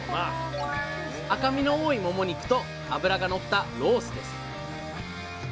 赤身の多いもも肉と脂がのったロースです。